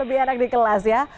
lebih enak di kelas ya